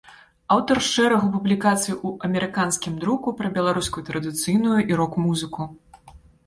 Аўтар шэрагу публікацый у амерыканскім друку пра беларускую традыцыйную і рок-музыку.